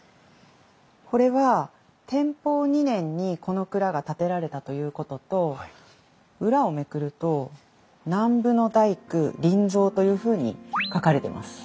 これは天保２年にこの蔵が建てられたということと裏をめくると「南部の大工林蔵」というふうに書かれてます。